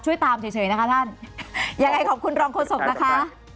ตามเฉยนะคะท่านยังไงขอบคุณรองโฆษกนะคะ